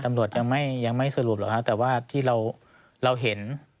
ตำรวจยังไม่ยังไม่สรุปหรอกครับแต่ว่าที่เราเห็น